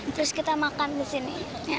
terus kita makan di sini